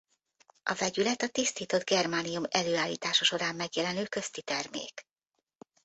A vegyület a tisztított germánium előállítása során megjelenő köztitermék.